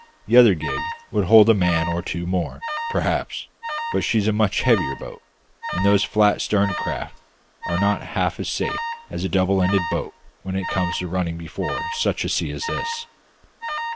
The other gig would hold a man or two more, perhaps, but she's a much heavier boat; and those flat starned craft are not half so safe as a double ended boat when it comes to running before such a sea as this."